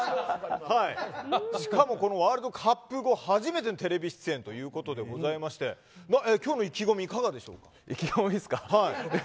しかもワールドカップ後初めてのテレビ出演ということでございまして今日の意気込み意気込みですか。